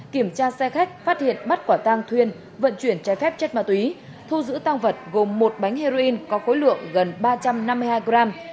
kiểm tra xe khách phát hiện bắt quả tang thuyên vận chuyển trái phép chất ma túy thu giữ tăng vật gồm một bánh heroin có khối lượng gần ba trăm năm mươi hai gram